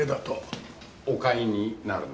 お買いになるんですか？